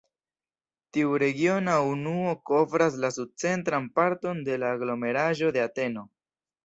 Tiu regiona unuo kovras la sud-centran parton de la aglomeraĵo de Ateno.